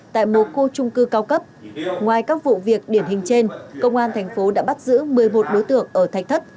tại một khu trung cư cao cấp ngoài các vụ việc điển hình trên công an thành phố đã bắt giữ một mươi một đối tượng ở thạch thất